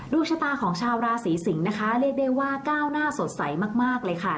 ชะตาของชาวราศีสิงศ์นะคะเรียกได้ว่าก้าวหน้าสดใสมากเลยค่ะ